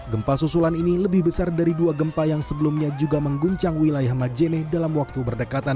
gempa susulan ini lebih besar dari dua gempa yang sebelumnya juga mengguncang wilayah majene dalam waktu berdekatan